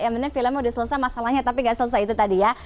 yang penting filmnya udah selesai masalahnya tapi gak selesai itu tadi ya